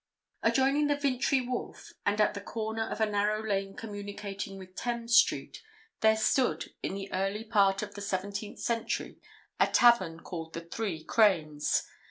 Adjoining the Vintry Wharf, and at the corner of a narrow lane communicating with Thames Street, there stood, in the early part of the Seventeenth Century, a tavern called the Three Cranes.